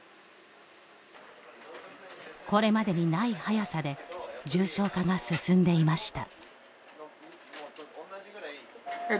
これまでにない速さで重症化が進んでいました。